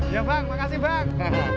ya bang makasih bang